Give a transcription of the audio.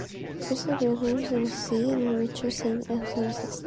Christina's grave can still be seen today in the churchyard at Saint Augustine's.